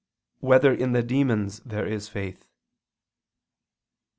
2] Whether in the Demons There Is Faith?